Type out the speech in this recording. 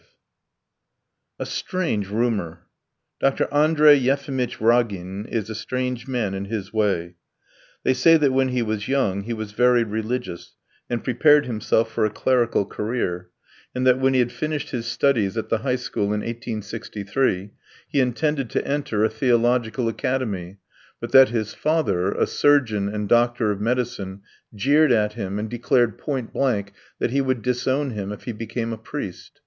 V A strange rumour! Dr. Andrey Yefimitch Ragin is a strange man in his way. They say that when he was young he was very religious, and prepared himself for a clerical career, and that when he had finished his studies at the high school in 1863 he intended to enter a theological academy, but that his father, a surgeon and doctor of medicine, jeered at him and declared point blank that he would disown him if he became a priest.